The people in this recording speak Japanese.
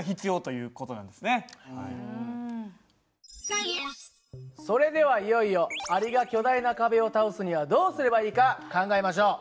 つまりそれではいよいよアリが巨大な壁を倒すにはどうすればいいか考えましょう。